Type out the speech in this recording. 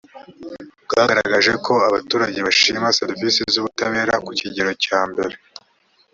bwagaragaje ko abaturage bashima serivisi z ubutabera ku kigero cya mbere